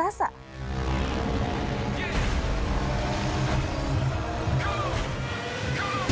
pada saat berakhir godzilla membuat kata kata tersebut teredam di dalam musik